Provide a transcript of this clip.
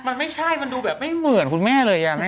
มันไม่ใช่มันดูแบบไม่เหมือนคุณแม่เลย